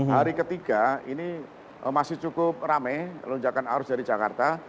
hari ketiga ini masih cukup rame lonjakan arus dari jakarta